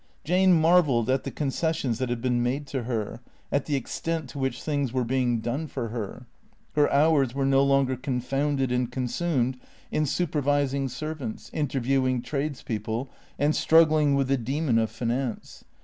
Jane marvelled at the concessions that had been made to her, at the extent to which things were being done for her. Her hours were no longer confounded and consumed in supervising servants, interviewing tradespeople, and struggling with the demon of finance.